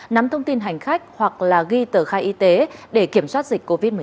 nắm thông tin hành khách hoặc là ghi tờ khai